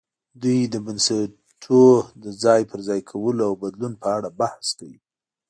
دوی د بنسټونو د ځای پر ځای کولو او بدلون په اړه بحث کوي.